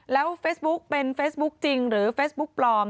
แล้วเฟซบุ๊กเป็นเฟซบุ๊คจริงหรือเฟซบุ๊กปลอม